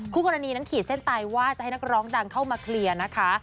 คู่กรณีนั้นขีดเส้นตายว่าจะให้นักร้องดังเข้ามาเคลียร์นะคะ